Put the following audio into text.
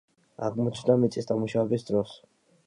აღმოჩნდა მიწის დამუშავების დროს.